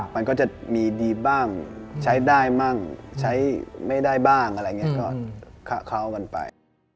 มันก็จะมีดีบ้างใช้ได้บ้างใช้ไม่ได้บ้างก็ค่ากันไป